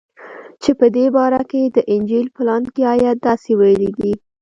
چې په دې باره کښې د انجيل پلانکى ايت داسې ويلي دي.